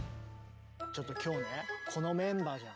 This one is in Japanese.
ちょっと今日ねこのメンバーじゃん。